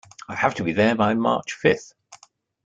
I have to be there by March fifth.